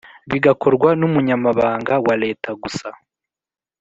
bigakorwa n Umunyamabanga wa leta gusa